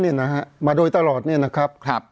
เพราะฉะนั้นประชาธิปไตยเนี่ยคือการยอมรับความเห็นที่แตกต่าง